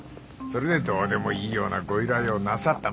それでどうでもいいようなご依頼をなさった。